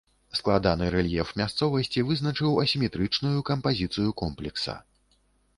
Складаны рэльеф мясцовасці вызначыў асіметрычную кампазіцыю комплекса.